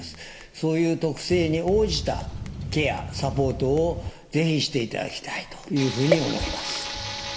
そういう特性に応じたケアサポートを是非していただきたいというふうに思います。